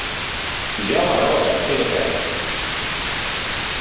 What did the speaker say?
Jo amagava el cap sota terra.